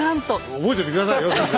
覚えといて下さいよ先生。